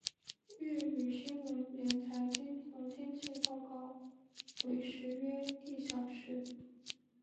粤语新闻连财经和天气报告为时约一小时。